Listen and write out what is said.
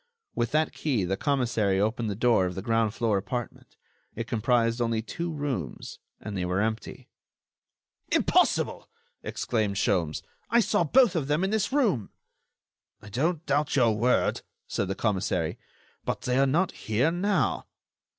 With that key the commissary opened the door of the ground floor apartment. It comprised only two rooms and they were empty. "Impossible!" exclaimed Sholmes. "I saw both of them in this room." "I don't doubt your word," said the commissary; "but they are not here now."